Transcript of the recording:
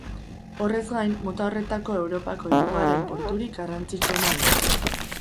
Horrez gain, mota horretako Europako hirugarren porturik garrantzitsuena da.